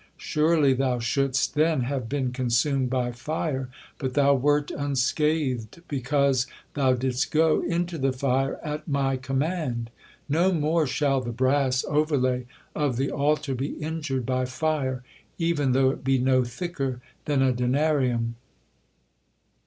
Surely thou shouldst then have been consumed by fire, but thou wert unscathed because thou didst go into the fire at My command; no more shall the brass overlay of the altar be injured by fire, even though it be no thicker than a denarium."